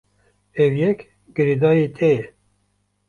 Ev yek girêdayî te ye.